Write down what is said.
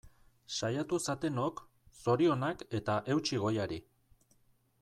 Saiatu zatenok, zorionak eta eutsi goiari!